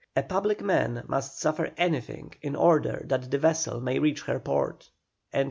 A public man must suffer anything in order that the vessel may reach her port."